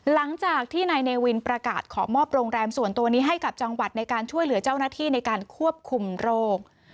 หลังจากที่นายเนวินประกาศขอมอบโรงแรมส่วนตัวนี้ให้กับจังหวัดในการช่วยเหลือเจ้าหน้าที่ในการควบคุมโรค